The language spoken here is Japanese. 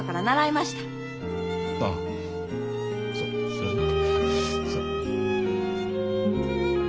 あっそうそれね。